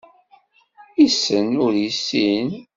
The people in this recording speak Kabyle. Issen, ur issin.